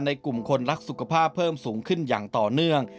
กลุ่มคนรักสุขภาพเพิ่มสูงขึ้นอย่างต่อเนื่อง